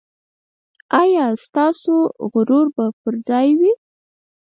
ایا ستاسو غرور به پر ځای وي؟